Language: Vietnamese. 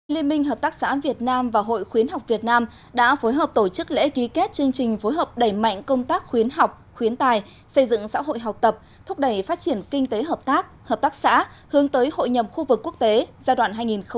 liên minh hợp tác xã việt nam và hội khuyến học việt nam đã phối hợp tổ chức lễ ký kết chương trình phối hợp đẩy mạnh công tác khuyến học khuyến tài xây dựng xã hội học tập thúc đẩy phát triển kinh tế hợp tác hợp tác xã hướng tới hội nhập khu vực quốc tế giai đoạn hai nghìn hai mươi một hai nghìn hai mươi năm